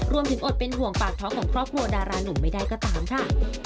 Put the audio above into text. อดเป็นห่วงปากท้องของครอบครัวดารานุ่มไม่ได้ก็ตามค่ะ